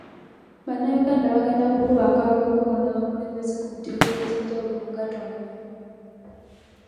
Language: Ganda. Bannayuganda bagenda kukuba akalulu okulonda abakulembeze ku mitendera egy'enjawulo mu Gatonya.